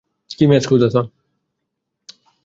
তবে প্রতিবেদনে কী আছে, তা কর্মকর্তারা পড়ে দেখেননি।